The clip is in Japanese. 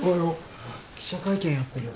記者会見やってる。